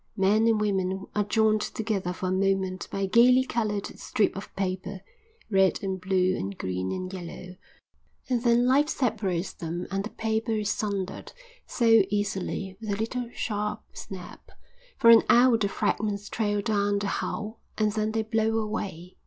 Men and women are joined together for a moment by a gaily coloured strip of paper, red and blue and green and yellow, and then life separates them and the paper is sundered, so easily, with a little sharp snap. For an hour the fragments trail down the hull and then they blow away.